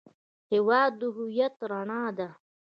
هېواد د هویت رڼا ده.